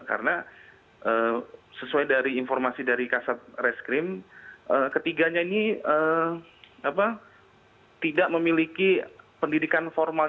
karena sesuai dari informasi dari kasus reskrim ketiganya ini tidak memiliki pendidikan formal